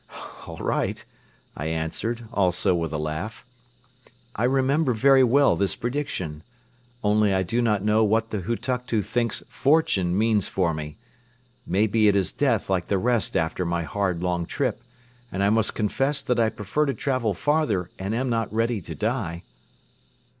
"All right," I answered, also with a laugh. "I remember very well this prediction. Only I do not know what the Hutuktu thinks 'Fortune' means for me. Maybe it is death like the rest after my hard, long trip, and I must confess that I prefer to travel farther and am not ready to die."